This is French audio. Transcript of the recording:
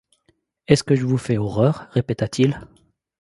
Est-ce que je vous fais horreur? répéta-t-il.